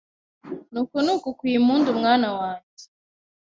Nuko nuko ukwiye impundu mwana wanjye,